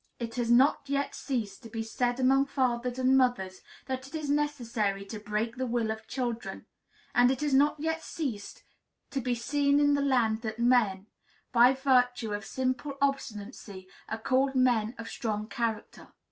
It has not yet ceased to be said among fathers and mothers that it is necessary to "break the will" of children; and it has not yet ceased to be seen in the land that men by virtue of simple obstinacy are called men of strong character.